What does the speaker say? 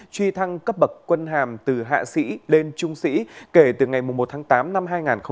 truy thăng cấp bậc quân hàm từ hạ sĩ lên trung sĩ kể từ ngày một tháng tám năm hai nghìn một mươi chín